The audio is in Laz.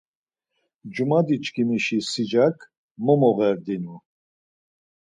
Cumadiçkimişi sicak momoğerdinu.